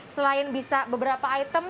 selain bisa beberapa item